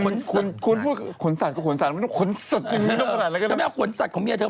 แต่ตอนนี้อนุรักษ์และยพยมแล้วไม่ใช้แล้ว